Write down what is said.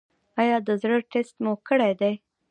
ایا د زړه ټسټ مو کړی دی؟